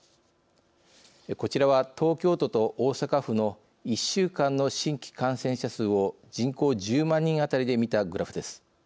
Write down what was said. こちらは、東京都と大阪府の１週間の新規感染者数を人口１０万人あたりで見たグラフです。